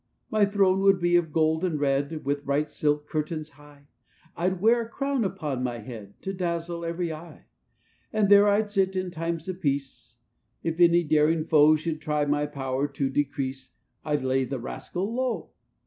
"My throne should be of gold and red, With bright silk curtains high; I'd wear a crown upon my head, To dazzle every eye. "And there I'd sit, in times of peace; If any daring foe Should try my power to decrease, I'd lay the rascal low.